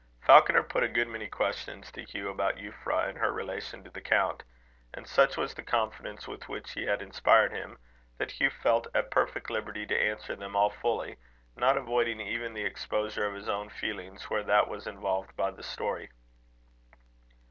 Falconer put a good many questions to Hugh, about Euphra and her relation to the count; and such was the confidence with which he had inspired him, that Hugh felt at perfect liberty to answer them all fully, not avoiding even the exposure of his own feelings, where that was involved by the story.